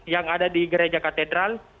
yang ada di gereja katedral